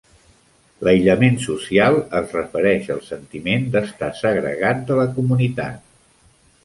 L'aïllament social es refereix al "sentiment d'estar segregat de la comunitat".